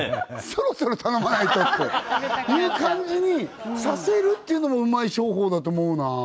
そろそろ頼まないとっていう感じにさせるっていうのもうまい商法だと思うなぁ